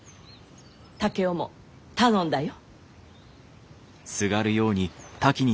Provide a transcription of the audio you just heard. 竹雄も頼んだよ。